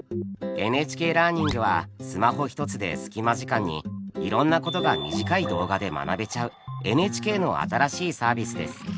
「ＮＨＫラーニング」はスマホ一つで隙間時間にいろんなことが短い動画で学べちゃうＮＨＫの新しいサービスです。